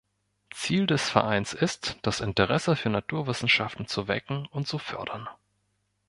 Ziel des Vereins ist, das Interesse für Naturwissenschaften zu wecken und zu fördern.